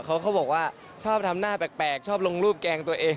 เขาบอกว่าชอบทำหน้าแปลกชอบลงรูปแกล้งตัวเอง